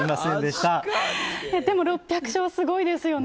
でも、６００勝すごいですよね。